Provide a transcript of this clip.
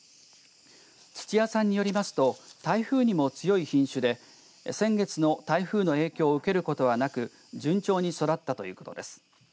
土屋さんによりますと台風にも強い品種で先月の台風の影響を受けることはなく順調に育ったということです。